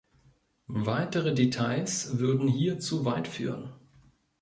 Weitere Details würden hier zu weit führen.